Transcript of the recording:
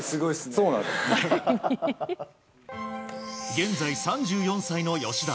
現在３４歳の吉田。